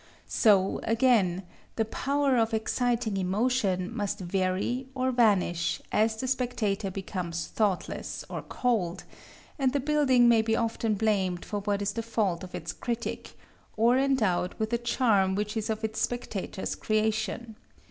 So, again, the power of exciting emotion must vary or vanish, as the spectator becomes thoughtless or cold; and the building may be often blamed for what is the fault of its critic, or endowed with a charm which is of its spectator's creation.